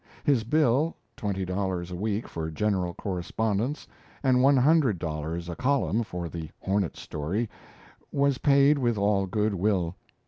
His bill twenty dollars a week for general correspondence, and one hundred dollars a column for the Hornet story was paid with all good will.